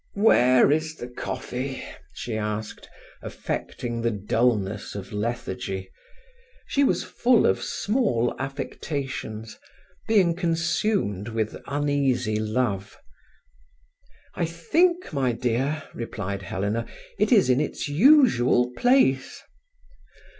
"Where is the coffee?" she asked, affecting the dullness of lethargy. She was full of small affectations, being consumed with uneasy love. "I think, my dear," replied Helena, "it is in its usual place."